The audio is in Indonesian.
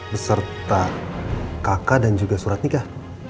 beserta kakak dan juga surat nikah